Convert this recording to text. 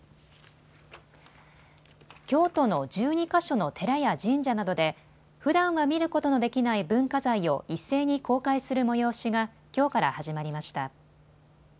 京都の１２か所の寺や神社などでふだんは見ることのできない文化財を一斉に公開する催しがきょうから始まりました。